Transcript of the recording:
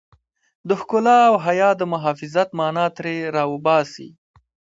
د ښکلا او حيا د محافظت مانا ترې را وباسي.